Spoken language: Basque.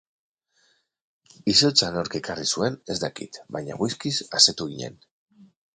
Izotza nork ekarri zuen ez dakit bainan whiskyz asetu ginen.